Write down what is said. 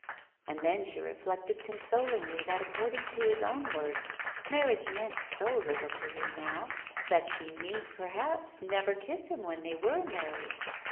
And then she reflected consolingly that accord ing to his own words marriage meant so little to him now, that she need perhaps never kiss him when they were married.